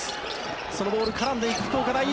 そのボール絡んでいく福岡第一。